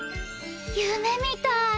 夢みたい！